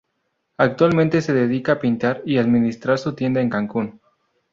Actualmente se dedica a pintar y administrar su tienda en Cancún.